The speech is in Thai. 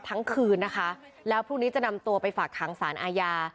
ทั้งคืนนะคะแล้วพรุ่งนี้จะนำตัวไปฝากขังสารอาญา